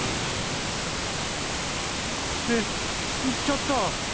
えっ行っちゃった。